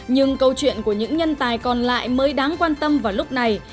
nhưng câu chuyện của những nhân tài còn lại mới đáng quan tâm vào lúc này